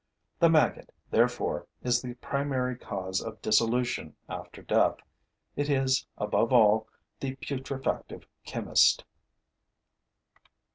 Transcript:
The maggot, therefore, is the primary cause of dissolution after death; it is, above all, the putrefactive chemist.